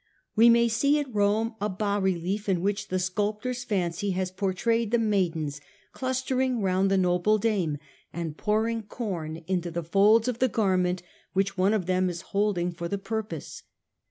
We may see at Rome a he bas relief in which the sculptor's fancy has the FueHae pourtrayed the maidens clustering round the Faustiniaua noble dame, and pouring corn into the folds his son of the garment which one of them is holding Commodus, for the purpose.